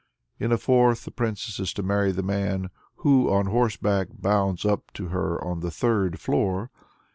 In a fourth, the princess is to marry the man "who, on horseback, bounds up to her on the third floor."